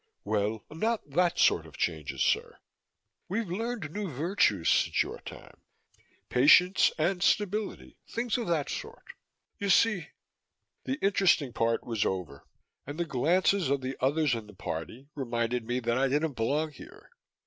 "Well, not that sort of changes, sir. We've learned new virtues since your time patience and stability, things of that sort. You see " The interesting part was over and the glances of the others in the party reminded me that I didn't belong here.